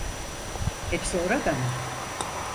Hepsi orada mı?